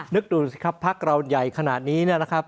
นึกดูสิครับภาคเราใหญ่ขนาดนี้นะครับ